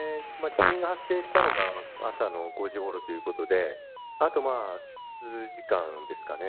地震が発生したのが朝の５時ごろということであと数時間ですかね。